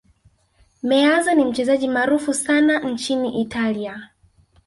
meazza ni mchezaji maarufu sana nchini italia